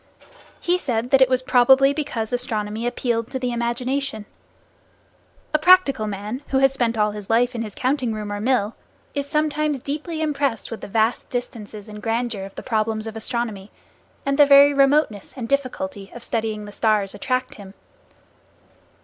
He said that it was probably because astronomy appealed to the imagination. A practical man, who has spent all his life in his counting room or mill, is sometimes deeply impressed with the vast distances and grandeur of the problems of astronomy, and the very remoteness and difficulty of studying the stars attract him.